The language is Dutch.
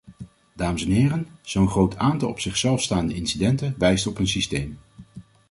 Dames en heren, zo'n groot aantal op zichzelf staande incidenten wijst op een systeem.